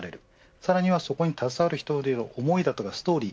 さらにはそこに携わる人の思いやストーリー